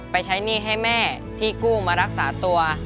ไปใช้หนี้ให้แม่ที่กู้มารักษาตัว